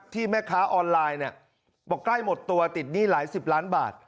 แม่ค้าออนไลน์เนี่ยบอกใกล้หมดตัวติดหนี้หลายสิบล้านบาท